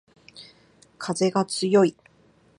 かぜがつよい